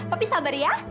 papi sabar ya